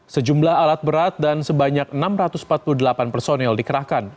sejumlah alat berat dan sebanyak enam ratus empat puluh delapan personil dikerahkan